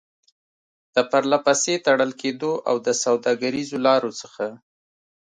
د پرلپسې تړل کېدو او د سوداګريزو لارو څخه